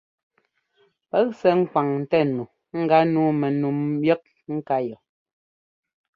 Pɛ́k sɛ́ ŋkwaŋtɛ nu gánǔu mɛnu yɛk ŋká yɔ.